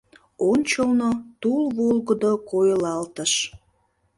Ончылно тул волгыдо койылалтыш.